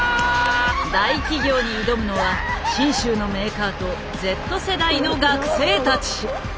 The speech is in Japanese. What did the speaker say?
大企業に挑むのは信州のメーカーとＺ世代の学生たち。